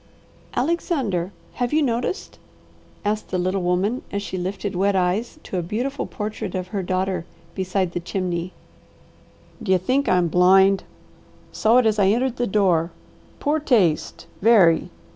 "Alexander, have you noticed?" asked the little woman as she lifted wet eyes to a beautiful portrait of her daughter beside the chimney. "D'ye think I'm blind? Saw it as I entered the door. Poor taste! Very!